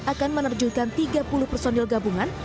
akan menerjukan tiga puluh personil gabungan